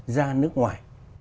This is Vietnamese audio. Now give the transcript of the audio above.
ra nước ngoài